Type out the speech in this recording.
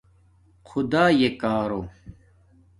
خُداݺیے کارݸ